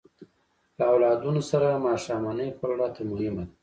له اولادونو سره ماښامنۍ خوړل راته مهمه ده.